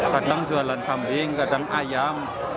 kadang jualan kambing kadang ayam